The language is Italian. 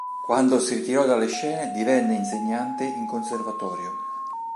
Quando si ritirò dalle scene divenne insegnante in Conservatorio.